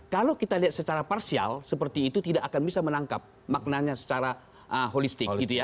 kalau kita lihat secara parsial seperti itu tidak akan bisa menangkap maknanya secara holistik